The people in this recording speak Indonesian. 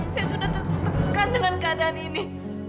saya sudah tertekan dengan keadaan ini